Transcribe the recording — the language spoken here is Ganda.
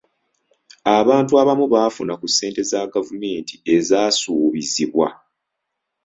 Abantu abamu baafuna ku ssente za gavumenti ezaasuubizibwa.